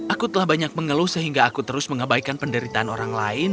aku telah banyak mengeluh sehingga aku terus mengabaikan penderitaan orang lain